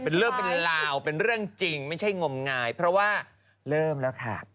เป็นเรื่องเป็นราวเป็นเรื่องจริงไม่ใช่งมงายเพราะว่าเริ่มแล้วค่ะ